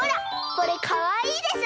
これかわいいでしょ？